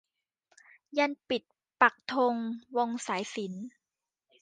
ยันต์ปิดปักธงวงสายสิญจน์